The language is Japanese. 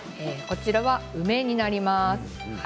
梅になります。